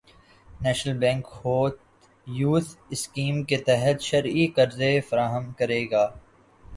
national bank youth scheme کے تحت شرعی قرضے فراہم کرے گا